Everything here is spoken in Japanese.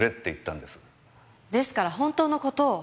ですから本当の事を。